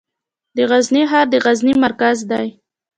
د غزني ښار د غزني مرکز دی